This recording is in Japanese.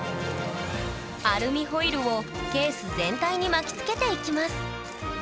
アルミホイルをケース全体に巻きつけていきます